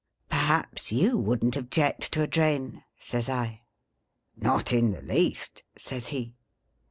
' Perhaps you wouldn't object to a drain V says I. ' Not in the least !' says he.